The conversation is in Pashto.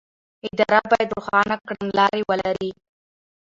اداره باید روښانه کړنلارې ولري.